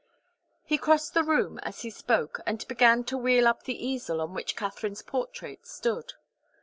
He crossed the room as he spoke, and began to wheel up the easel on which Katharine's portrait stood.